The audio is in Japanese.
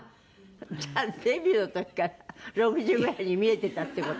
デビューの時から６０くらいに見えてたってこと？